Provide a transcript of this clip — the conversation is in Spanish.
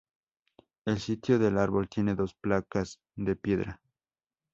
El sitio del árbol tiene dos placas de piedra.